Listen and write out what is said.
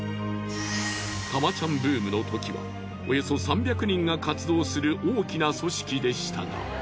タマちゃんブームのときはおよそ３００人が活動する大きな組織でしたが。